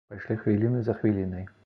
Пайшлі хвіліны за хвілінай.